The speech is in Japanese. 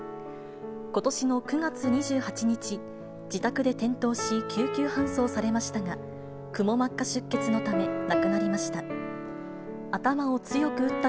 ことしの９月２８日、自宅で転倒し救急搬送されましたが、くも膜下出血のため亡くなりました。